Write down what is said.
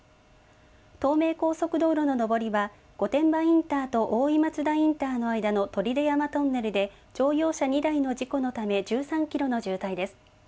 東名高速道路の上りは御殿場インターと大井松田インターの間の取手山トンネルで乗用車２台の事故のため１３キロの渋滞です。